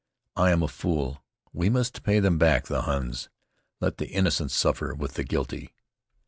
I am a fool! We must pay them back, the Huns! Let the innocent suffer with the guilty!"